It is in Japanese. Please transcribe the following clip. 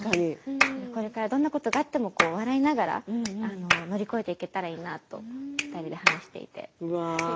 これからどんなことがあっても笑いながら乗り越えていけたらいいなと２人で話していて。